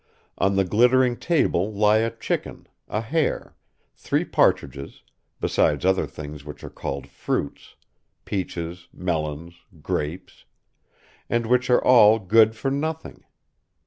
On the glittering table lie a chicken, a hare, three partridges, besides other things which are called fruits peaches, melons, grapes and which are all good for nothing.